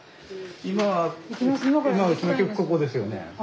今今うちの局ここですよね？